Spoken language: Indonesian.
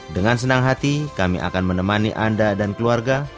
dengan senang hati kami akan menemani anda dan keluarga